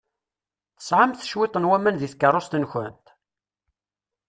Tesɛamt cwiṭ n waman deg tkeṛṛust-nkent?